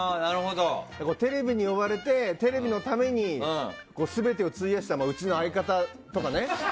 テレビに追われてテレビのために全てを費やしたうちの相方とかね。